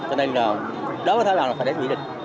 cho nên đối với thái lan là phải đánh mỹ đình